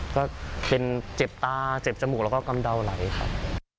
ก็เป็นเจ็บตาเจ็บจมูกแล้วก็กำเดาไหลครับ